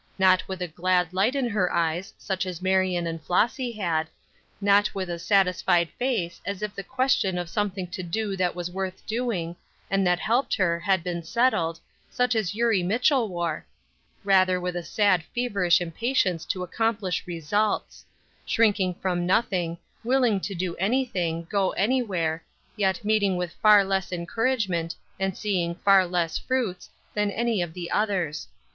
Not with a glad light in her eyes, such as Marion and Flossy had; not with a satisfied face as if the question of something to do that was worth doing, and that helped her, had been settled, such as Eurie Mitchell wore; rather with a sad feverish impatience to accomplish results; shrinking from nothing, willing to do anything, go anywhere, yet meeting with far less encouragement, and seeing far less fruits, than any of the others.